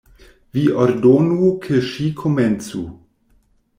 Vi ordonu ke ŝi komencu.